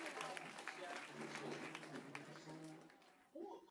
在台湾的歌唱界音质最近似凤飞飞的女歌手是林淑容。